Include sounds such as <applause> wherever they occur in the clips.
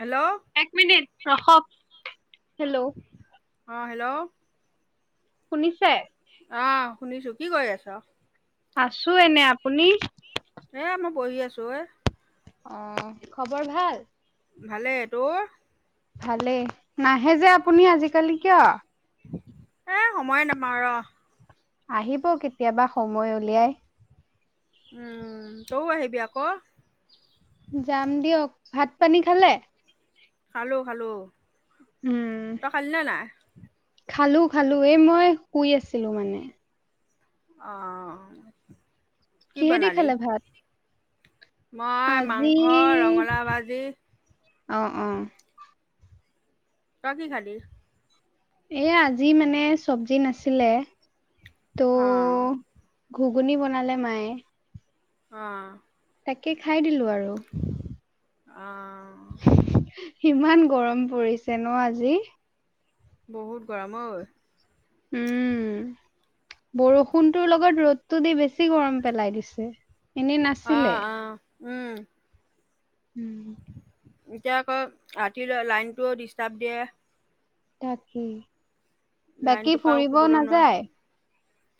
Hello এক minute ৰখক, hello. অঁ হেল্ল' শুনিছে। অ' শুনিছো কি কৰি আছ। আছো এনে আপুনি। এ মই বহি আছো এ। অ' খবৰ ভাল। ভালে তোৰ। ভালেই, নাহে যে আপুনি আজিকালি কিয়। এ সময়ে নাপাওঁ ৰ। আহিব কেতিয়াবা সময় উলিয়াই। উম, তৌ আহিবি আকৌ। যাম দিয়ক, ভাত পানী খালে। খালো-খালো। উম, খালো। খালো, এই মই শুই আছিলোঁ মানে। অ'। কিহেদি খালে ভাত। মই আজি মাংস, ৰঙালাও ভাজি। অ'-অ'। তই কি খালি। এ আজি মানে চব্জি নাছিলে ত' অঁ ঘুগুনী বনালে মায়ে। অ'। তাকে খাই দিলোঁ আৰু। অ'। ইমান গৰম পৰিছে ন আজি। বহুত গৰম ঐ। উম। বৰষুণটোৰ লগত ৰ'দটো দি বেছি গৰম পেলাই দিছে। এনেই নাছিলে অ'- অ' উম। উম। এতিয়া আকৌ ৰাতি লাইনটোও ডিষ্টাৰ্ব দিয়ে। তাকেই বাকী লাইনটোৰ পৰাও ফুৰিব শুবলৈ নোৱাৰোঁ নাযায়।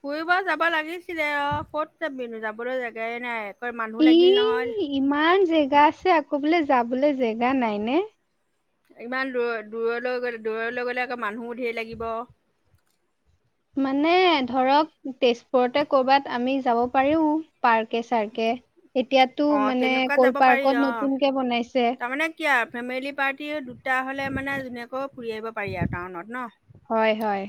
ফুৰিব যাব লাগিছিলে অ ক'ত যাবিনো যাবলৈ জেগায় নাই। মানুহ ই লাগিল নহয় ইমান জেগা আছে, আকৌ বোলে যাবলৈ জেগা নাই নে। ইমান দূৰ দূৰলৈ গ'লে দূৰলৈ গ'লে আকৌ মানুহো ধেৰ লাগিব। মানে ধৰক তেজপুৰতে কৰ'বাত আমি যাব পাৰিও পাৰ্কে চাৰ্কে। এতিয়াতো অ' মানে তেনেকুৱা যাব ক'ল পাৰি পাৰ্কত অ', নতুনকে বনাইছে তাৰমানে কি আৰু ফেমিলি পাৰ্টি তেতিয়াহ'লে মানে ধুনীয়াকৈ ফুৰি আহিব পাৰি আৰু টাউনত ন। হয়- হয়।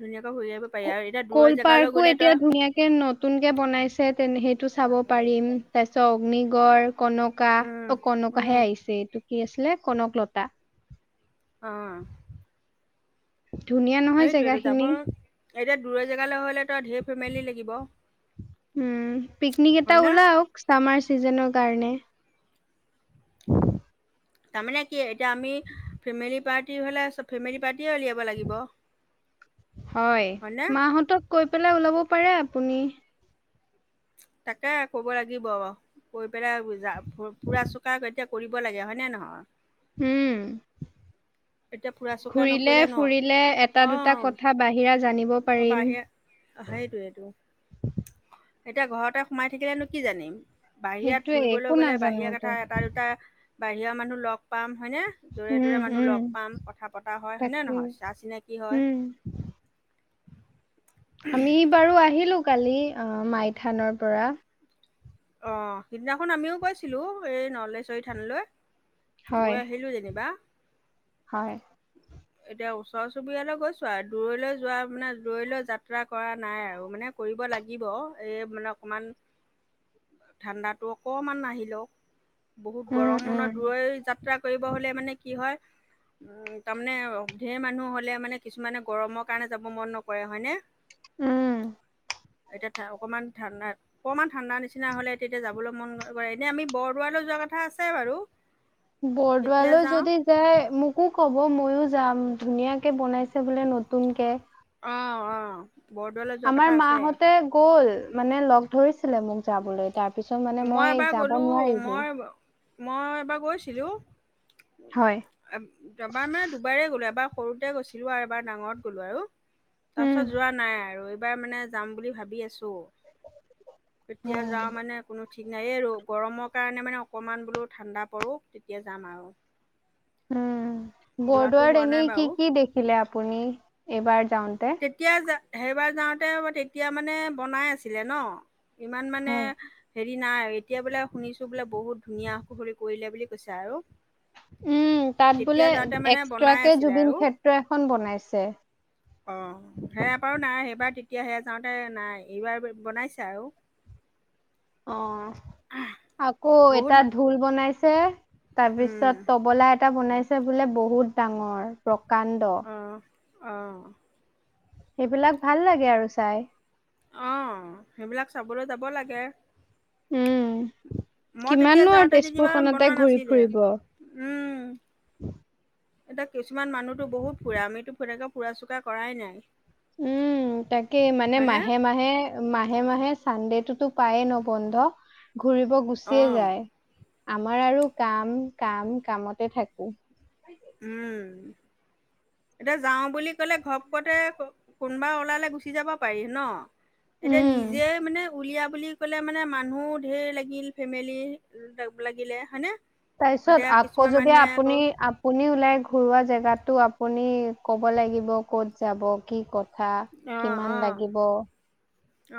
ধুনীয়াকৈ ঘূৰি আহিব পাৰি ক আৰু এতিয়া দূৰৰ ক'ল জেগালৈ পাৰ্কো গ'লে এতিয়া তই ধুনীয়াকে নতুন কে বনাইছে তে সেইটো চাব পা ৰিম, তাৰ পিছত অগ্নিগড় কনকা উম অ উম কনকাহে আহিছে এইটো কি আছি লে কনকলতা। অ'। ধুনীয়া নহয় জেগা এইটোৱেটো যাব খিনি এতিয়া দূৰ জেগালৈ হ'লে তই ধেৰ ফেমিলি লাগিব হয় উম, পিকনিক এটা ন ওলাওক চামাৰ চিজনত। কাৰণে। তাৰমানে কি, এতিয়া আমি ফেমিলি পাৰ্টি হ'লে, ফেমেলি পা হয়, হয়নে মাহঁতক কৈ পেলাই ওলাব পাৰে। আপুনি। তাকে ক'ব লাগিব, কৈ পেলাই যা-ফু-ফুৰা চোকা কৰিব লাগে হয়, নে নহয়? হম। এতিয়া ফুৰা চকা ঘূৰিলে, নকৰিলে ন ফুৰিলে এটা, দুটা কথা বাহিৰা জানিব পাৰিম। হেইটোইটো, এতিয়া ঘৰতে সোমাই থাকিলেনো কি জানিম? বাহিৰত সেইটোয়ে ফুৰিবলৈ একো গ'লে বাহিৰা নাজানোতো কথা এটা, দুটা বাহিৰৰ মানুহ লগ পাম। হয়নে? য'ৰে উম ত'ৰে মানুহ উম লগ পাম কথা পতা হয়, হয়নে তাকেই নহয়? চা চিনাকি হয়। উম আমি বাৰু আহিলোঁ কালি, অ', মাইথানৰ পৰা। অ' সিদিনাখন আমিওঁ গৈছিলো এই নলেশ্বৰী থানলৈ। হয় গৈ আহিলো যেনিবা। হয়। এতিয়া ওচৰ চুবুৰীয়ালৈ গৈছো আৰু দূৰলৈ যোৱা মানে দূৰলৈ যাত্ৰা কৰা নাই আৰু মানে। কৰিব লাগিব এই মানে অকণমান- ঠাণ্ডাতো অকমান আহি লওঁক। বহুত উম গৰমো উম নহয়? দূৰ যাত্ৰা কৰিব হ'লে মানে কি হয়, উ মানে ঢেৰ মানুহ হ'লে মানে কিছুমানে গৰমৰ কাৰণে যাব মন নকৰে হয়নে? উম। এতিয়া অকমান ঠাণ্ডা অকণমান ঠাণ্ডা নিচিনা হ'লে তেতিয়া যাবলৈ মন কৰে। এনে আমি বৰদোৱা লৈ যোৱা কথা আছে বাৰু। কেতিয়া বৰদোৱালৈ যাওঁ যদি যাই মোকো ক'ব, ম ইও যাম। ধুনীয়াকে বনাইছে বোলে নতুনকে অঁ অঁ বৰদোৱালৈ যোৱা কথা আমাৰ আছে মাহতে গ'ল, মানে লগ ধৰিছে ছিলে মোক যাবলৈ, তাৰ পিছত মানে মই এবাৰ যাব গ'লোঁ নোৱাৰিলো। মই মই এবাৰ গৈছিলোঁ, হয় এবাৰ মানে দুবাই গ'লো। এবাৰ সৰুতে গৈছিলো আৰু এবাৰ ডাঙৰত গ'লো আৰু তাৰ উম পাছত যোৱা নাই আৰু। বাৰ মানে যাম বুলি ভাবি আছো, কেতিয়া যাওঁ মানে ঠিক নাই এই ৰ, গৰমৰ কাৰণে মানে অকণমান বোলো ঠাণ্ডা পৰোঁ তেতিয়া যাম আৰু। উম যোৱাটো বৰদোৱাত হোৱা নাই এনেই বাৰু কি কি দেখিলে আপুনি এইবাৰ? যাওঁতে তেতিয়া সেইবাৰ যাওঁতে তেতিয়া মানে বনাই আছিলে ন? ইমান মানে হয় হেৰি দি নাই এতিয়া বোলে শুনিছো বোলে বহুত ধুনীয়া খুহৰি কৰিলে বুলি কৈছে আৰু। উম তাত বোলে তেতিয়া যাওঁতে মানে বনাই এক্সট্ৰাকে আছিলে জুবিন আৰু ক্ষেত্ৰ এখন বনাইছে। অ' সেয়া বাৰু নাই, সেইবাৰ তেতিয়া সেয়া যাওঁতে নাই এইবাৰ বনাইছে আৰু। অ', আকৌ বহুত মা- এটাত ঢোল বনাইছে। উম, তাৰপিছত তবলা এটা বনাইছে বোলে বহুত ডাঙৰ, প্ৰকাণ্ড। অ', অ'। সেইবিলাক ভাল লাগে আৰু চাই। অ', সেইবিলাক চাবলৈ যাব লাগে। উম মই তেতিয়া কিমাননো আৰু যাওঁতে যেনিবা তেজপুৰখনতে বনোৱা ঘূৰি নাছিলে, ফুৰিব উম। এতিয়া কিছুমান মানুহতো বহুত ফুৰে, আমিতো সেনেকে ফুৰা চোকা কৰাই নাই। উম, তাকে মানে হয়নে? মাহে, মাহে, মাহে, মাহে চানডেটোতো পায়ে ন! বন্ধ ঘূৰিব গুচিয়ে অ', যায়। আমাৰ আৰু কাম, কাম, কামতে থাকোঁ। উম, এতিয়া যাও বুলি কলে ঘপতে কোনোবা ওলালে গুচি যাব পাৰি ন। এতিয়া উম নিজে মানে উলিয়াব বুলি ক'লে মানে মানুহো ধঢেৰ লাগিল ফেমেলি লাগিলে হয়নে। তাৰ পিছত এতিয়া আকৌ কিছুমান যদি মানুহে আকৌ আপুনি - আপুনি ওলাই গ ঘৰুৱা জেগাতো আপুনি ক'ব লাগিব ক'ত যাব কি ক'ত। কথা কিমান লাগিব।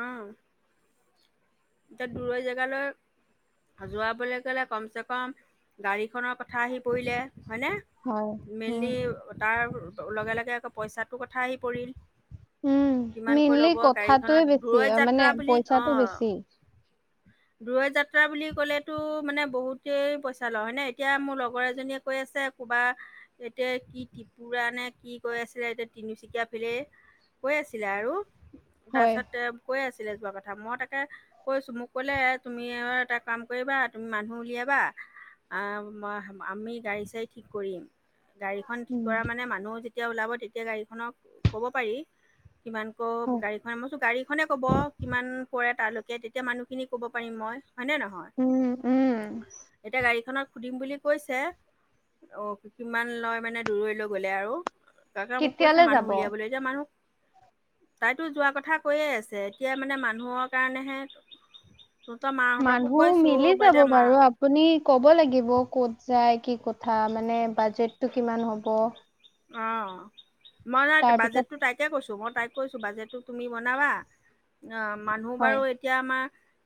অহ ', এতিয়া দূৰৈ জেগালৈ যোৱাবলৈ গ'লে কমচে কম গাড়ীখনৰ কথা আহি পৰিলে। হয়, হয়নে উম, মেইনলি তাৰ লগে - লগে আকৌ পইচাটোৰ কথা আহি পৰিল। উম, কিমানকৈ মেইনলি ল'ব কথাটোৱে গাড়ীখনত বেছি অ, দূৰৈ মানে যাত্ৰা বুলি অ, পইচাটো বেছি। <inaudible> দূৰ যাত্ৰা বুলি ক'লেতো মানে বহুতেই পইচা লয় হয় ন এতিয়া মোৰ লগৰ এজনীয়ে কৈ আছে। ক'ৰবা এতিয়া কি ত্ৰিপুৰা নে কি কৈ আছিলে এতিয়া তিনিচুকীয়া ফিলেই কৈ আছিলে আৰু হয়, তাৰপিছত কৈ আছিলে যোৱা কথা মই তাকে কৈছো মোক কলে তুমি আৰু এটা কাম কৰিবা তুমি মানুহ উলিয়াবা। আহ, আমি গাড়ী চাৰী ঠিক কৰিম। গাড়ীখন ঠিক উম, কৰা মানে মানুহ যেতিয়া ওলাব তেতিয়া গাড়ীখনক ক'ব পাৰি। কিমান কৌ হয়, গাড়ী খ মই চো গাড়ীখনে কব কিমান পৰে তালৈকেয়া এতিয়া মানুহখিনিক কব পাৰিম মই হয়নে নহয় উম, উম, এতিয়া গাড়ীখনত সুধিম বুলি কৈছে অ, কিমান লয় মানে দূৰলৈ গ'লে আৰু। কাকে মোক কৈছে কেতিয়ালে মানুহ যাব? উলিয়াবলৈ যে মানুহক তাইতো যোৱা কথা কৈয়ে আছে এতিয়া মানে মানুহৰ কাৰণেহে। তহঁতৰ মাহঁতকো মানুহ কৈছো মিলি বা যাব এতিয়া মা বাৰু আপুনি ক'ব লাগিব কত। যাই কি কথা মানে বাজেটটো কিমান হ'ব। অ, মই নাই তাৰপিছত বাজেটটো তাইকে কৈছো মই। তাই কৈছো বাজেটটো তুমি বনাবা অ, মানুহ হয়, বাৰু এতিয়া আমাৰ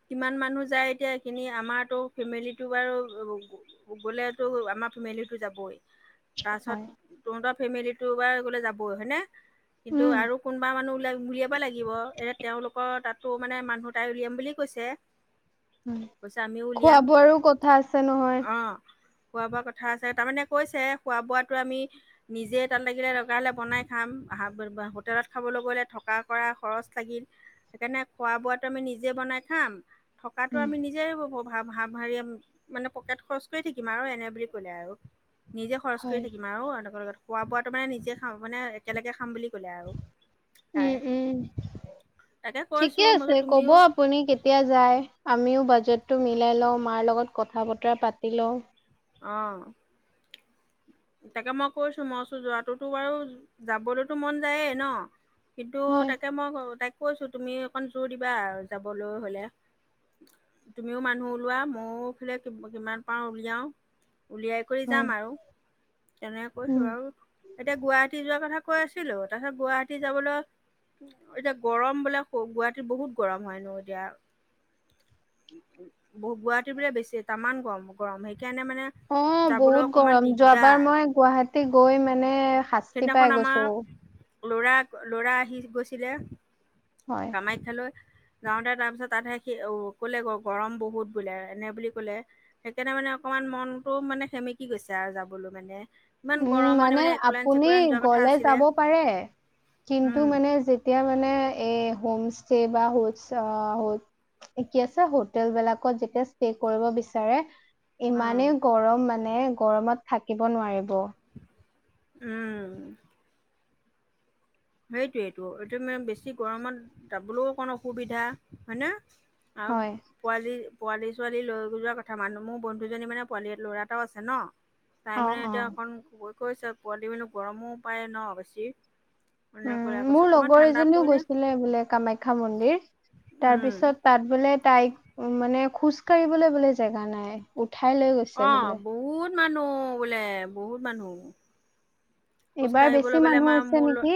কিমান মানুহ যায় এতিয়া সখিনি আমাৰতো ফেমিলিটো বাৰু গ'লেতো আমাৰ ফেমিলিটো যাবই হয়, তাৰপাছত তহতৰ ফেমিলিটো গ'লে যাবই হয়নে। কিন্তু উম, আৰু কোনোবা মানুহ ওলাই উলিয়াব লাগিব এ তেওলোকৰ তাতো মানে মানুহ তাই উলিয়াম বুলি কৈছে। কৈছে আমিও খোৱা উলিয়াম বোৱাৰো কথা আছে নহয়। অঁ খোৱা বোৱা কথা আছে তাৰমানে কৈছে খোৱা বোৱাটো আমি নিজেই তাত লাগিলে লগা হ'লে বনাই খাম হোটেলত খাবলৈ গ' হ'লে থকা কৰা খৰচ লাগিল সেইকাৰণে খোৱা বোৱাটো আমি নিজে বনাই খাম থকাতটো উম। আমি নিজে ভ হ ভাৰি মানে পকেট খৰচ কৰি থাকিম আৰু এনে বুলি কলে আৰু। নিজে খৰচ কৰি হয়। থাকিম আৰু তনেৰ লগত খোৱা বোৱাতো মানে নিজে খাম মানে একেলগে খাম বুলি কলে আৰু উম, তাই। উম, তাকে ঠিকে কৈছোঁ মই আছে বোলো কব তুমিও আপুনি কেতিয়া যায় আমিও বাজেট টো মিলাই লও মাৰ লগত কথা বতৰা পাতি লও। অ', তাকে মই কৈছো মই ওচো যোৱাটোতো বাৰু যাবলৈতো মন যায়েই ন। কিন্তু হয়। তাকে মই তাইক কৈছো তুমি অকণ জোৰ দিবা যাবলৈ হলে। তুমিও মানুহ ওলোৱাা মইোফালে কিমান পাও উলিয়াও। উলিয়াই কৰি যাম হয়, আৰু তেনেকে কৈছো উম। আৰু এতিয়া গুৱাহাটী যোৱাৰ কথা কৈ আছিলো তাৰ পিছত গুৱাহাটী যাবলৈ এতিয়া গৰম বোলে গুৱাহাটীত বহুত গৰম হয় নো এতিয়া বহুত গুৱাহাটী বোলে বেছি তাৰামান গৰম গৰম সেই সেইকাৰণে মানে যাবলৈ অকণমান দিগ এবাৰ মই গুৱাহাটী গৈ মানে শাস্তি পাই সেইদিনাখন গৈছো। আমাৰ ল'ৰা-ল'ৰা আহি গৈছিলে। হয়। কামাখ্যালৈ যাওঁতে তাৰ পিছত তাতহে সি কলে গৰম বহুত বোলে এনে বুলি কলে, সেইকাৰণে মানে অক ইমান মনটো মানে সেমেকি গৈছে আৰু যাবলৈ মানে। ইমান উম গৰমত মানে একোলেন আপুনি চেকুলেন যোৱা কথা গলে আছিলে যাব পাৰে। কিন্তু উম মানে যেতিয়া মানে এ হোম ষ্টে বা হ কি আছে হোটেল বিলাকত যেতিয়া ষ্টে কৰিব বিচাৰে উম ইমানেই গৰম মানে গৰমত থাকিব নোৱাৰি উম। সেইটোয়েইটো এইটো মানে বেছি গৰমত যাবলৈও অকণ অসুবিধা, হয়নে? আ হয়। পোৱালি পোৱালি-ছোৱালী লৈ গ যোৱা কথা মানুহ মোৰ বন্ধুজনী মানে পোৱালী ল'ৰাটাও আছে ন। চাই অ মেলাই অ এতিয়া অকণ ক কৈছে পোৱালি মেলি গৰমো পায় ন বেছি। উম <inaudible> মোৰ লগৰ ঠাণ্ডা এজনীও পৰিলে গৈছিলে বোলে কামাখ্যা মন্দিৰ, তাৰ উম পিছত তাত বোলে তাইক উ মানে খোজ কাঢ়িবলৈ বোলে জেগা নাই উঠাই লৈ গৈছে অ' বোলে। বহুত মানুহ বোলে, বহুত মানুহ। খোজ এইবাৰ বেছি কাঢ়িবলৈ বলে মানুহ আমাৰ হৈছে মোৰ নেকি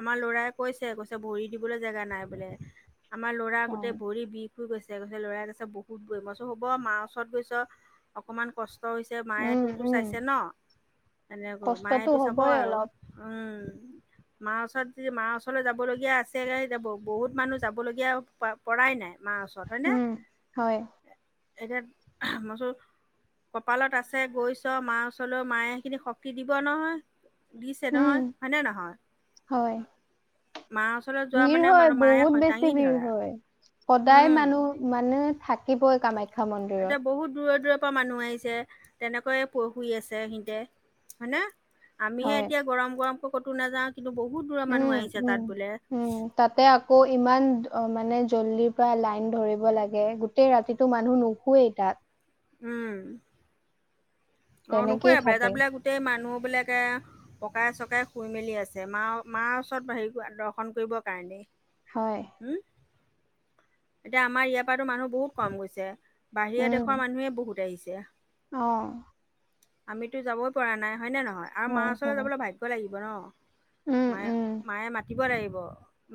আমাৰ ল'ৰাই কৈছে, কৈছে ভৰি দিবলৈ জেগা নাই বোলে, আমাৰ ল'ৰা গোটেই হয়। ভৰি বিষ গৈছে, গৈছে লৰাই গৈছে বহুত গৈ, মই কৈছো হ'ব মাৰ ওচৰত গৈছো, অকনমান কচ হৈছে মায়েতো উম ত উম চাইছে ন, এনেকৈ কষ্টতটো মায়েতো চাব হ'বই আৰু। অলপ উম। মাৰ ওচৰত যদি, মাৰ ওচৰলৈ যাব লগীয়া আছে <unintelligible> বহুত মানুহ যাব লগীয়া প পৰাই নাই মা ওছৰত হয়নে? উম হয় এতিয়া <unintelligible> কপালত আছে গৈছো মাৰ ওচৰলৈ, মায়ে সেইখিনি শক্তি দিব নহয়। দিছে উম নহয়, হয়নে নহয়? হয় মাৰ ওচৰলৈ যোৱা ভিৰ মানে হয় মায়ে বহুত দাঙি বেছি ভিৰ ধৰা। হয়। সদায় উম, মানুহ মানে থাকিবই কামা এতিয়া বহুত দূৰৰ-দূৰৰ পৰা মানুহ আহিছে, তেনেকৈয়ে প শুই আছে সিহঁতে, হয়নে? আমিহে হয় এতিয়া গৰম-গৰমকৈ ক'তো নাযাওঁ। কিন্তু বহুত দূৰৰ মানুহ উম, আহিছে উম, তাত বোলে। উম, তাতে আকৌ ইমান আ মানে জল্দিৰ পৰা লাইন ধৰিব লাগে, গোটেই ৰাতিটো মানুহ নুশুইয়ে তাত। উম। অ নুশুৱে তেনেকেই থাকে। <unintelligible> বোলে গোটেই মানুহ বোলোকে, ককাই-চকাই শুই মেলি আছে, মা মাৰ ওচৰত হেৰি দৰ্শন কৰিবৰ কাৰণে। হয়। এতিয়া আমাৰ ইয়াৰ পৰাতো মানুহ বহুত কম গৈছে, বাহিৰা উম, দেশৰ মানুহে বহুত আহিছ। অ। আমিতো যাবই পৰা নাই হয় নে নহয়, আৰু মাৰ হয়, ওচৰলৈ হয়। যাবলৈ ভাগ্য লাগিব ন। উম, উম, মায়ে-মায়ে মাতিব লাগিব,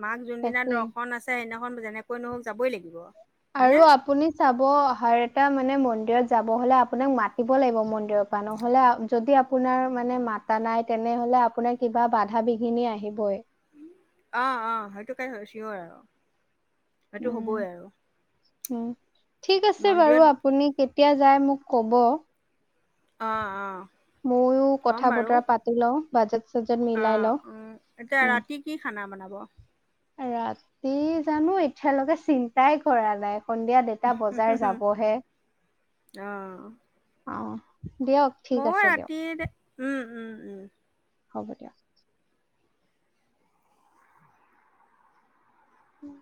মাক যোনদিনা তাকেই। দৰ্শন আছে সেইদিনা <unintelligible> যেনেকৈ নহওক যাবই লাগিব। হয়নে আৰু আপুনি চাব অহাৰ এটা মানে মন্দিৰ দিৰত যাব হ'লে আপোনাক মাতিব লাগিব মন্দিৰৰ পৰা, নহ'লে যদি আপোনাৰ মানে মাতা নাই তে তেনেহলে আপোনাৰ কিবা বাধা বিঘিনি আহিবই। অ, অ, সেইটো কাই চিঞৰে আৰু। সেইটো উম, হ'বই আৰু উম, ঠিক আছে বাৰু মন্দিৰত আপুনি কেত তিয়া যাই মোক ক'ব। অ, অ। ময়ো কম কথা বাৰু বতৰা পাতি লওঁ বাজেট চাজেট মিলাই লওঁ আহ উ এতিয়া উম। ৰাতি কি খান ব বনাব ৰাতি জানো এতিয়ালৈকে চিন্তাই কৰা নাই সন্ধিয়া দেটা বজাৰ যাবহে অ দিয়ক ঠিক আছে দিয়ক <unintelligible> ৰে উম উম উম হ'ব দিয়া উম